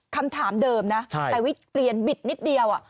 คำถามเดิมนะแต่วิกเปลี่ยนบิดนิดเดียว